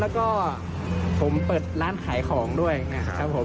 แล้วก็ผมเปิดร้านขายของด้วยนะครับผม